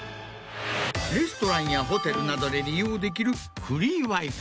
レストランやホテルなどで利用できる。